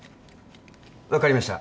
分かりました。